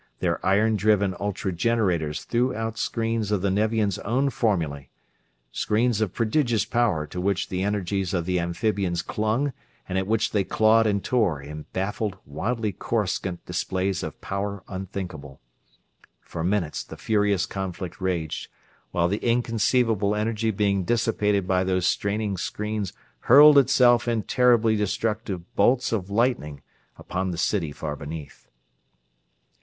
Their iron driven ultra generators threw out screens of the Nevians' own formulae, screens of prodigious power to which the energies of the amphibians clung and at which they clawed and tore in baffled, wildly coruscant displays of power unthinkable. For minutes the furious conflict raged, while the inconceivable energy being dissipated by those straining screens hurled itself in terribly destructive bolts of lightning upon the city far beneath.